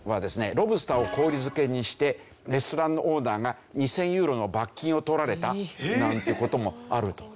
ロブスターを氷漬けにしてレストランオーナーが２０００ユーロの罰金を取られたなんて事もあると。